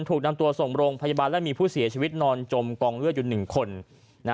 ถูกนำตัวส่งโรงพยาบาลและมีผู้เสียชีวิตนอนจมกองเลือดอยู่๑คน